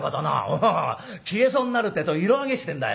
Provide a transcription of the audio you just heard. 「おう消えそうになるってえと色揚げしてんだよ」。